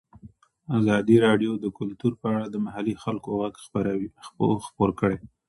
ازادي راډیو د کلتور په اړه د محلي خلکو غږ خپور کړی.